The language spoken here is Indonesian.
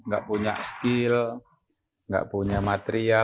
nggak punya skill nggak punya material